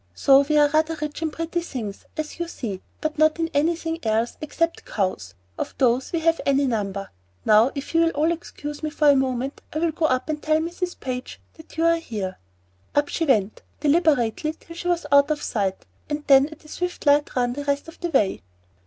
So we are rather rich in pretty things, as you see, but not in anything else, except cows; of those we have any number. Now, if you will all excuse me for a moment, I will go up and tell Mrs. Page that you are here." Up she went, deliberately till she was out of sight, and then at a swift, light run the rest of the way.